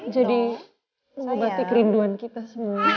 jadi mengubati kerinduan kita semua